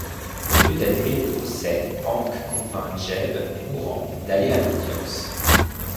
Au lieu d'annuler le procès, Hank convainc Jeb, mourant, d'aller à l'audience.